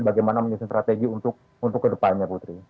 bagaimana menyesuaikan strategi untuk kedepannya